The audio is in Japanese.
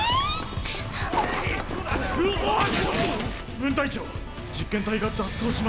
分隊長実験体が脱走しました。